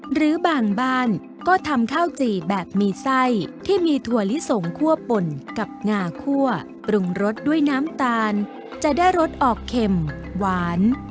หรือบางบ้านก็ทำข้าวจี่แบบมีไส้ที่มีถั่วลิสงคั่วป่นกับงาคั่วปรุงรสด้วยน้ำตาลจะได้รสออกเข็มหวาน